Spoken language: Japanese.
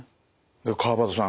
川畑さん